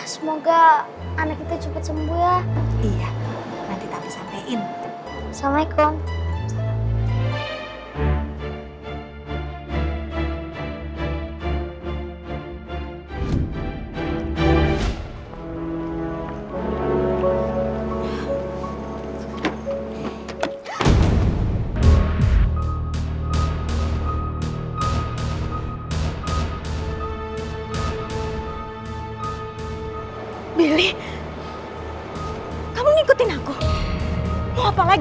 sampai jumpa di video selanjutnya